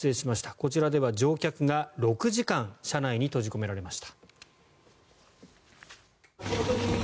こちらでは乗客が６時間車内に閉じ込められました。